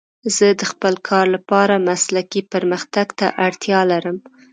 زه د خپل کار لپاره مسلکي پرمختګ ته اړتیا لرم.